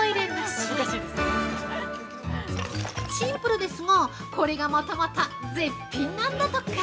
シンプルですが、これがまたまた絶品なんだとか。